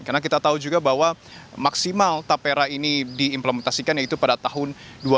karena kita tahu juga bahwa maksimal tapera ini diimplementasikan yaitu pada tahun dua ribu dua puluh satu